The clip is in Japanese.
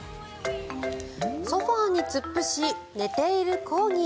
ソファに突っ伏し寝ているコーギー。